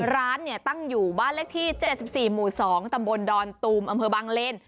ร้านตั้งอยู่บ้านเลขที่๗๔หมู่๒ตำบลดอนตูมอำเภอบังเลน